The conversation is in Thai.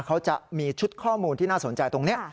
เขาจะมีชุดข้อมูลที่น่าสนใจตรงนี้